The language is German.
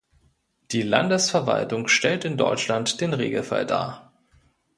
Die Landesverwaltung stellt in Deutschland den Regelfall dar.